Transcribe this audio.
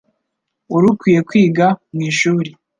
Wari ukwiye kwiga ko mwishuri.